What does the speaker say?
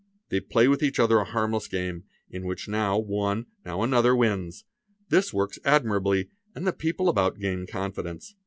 They play with each other a harmless game, in which now one,,now another wins. This works admirably and the people about gain confidence.